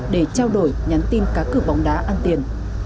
để trao đổi nhắn tin cá cử bóng đá an tiền